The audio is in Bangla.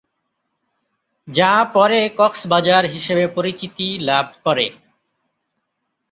যা পরে কক্সবাজার হিসেবে পরিচিতি লাভ করে।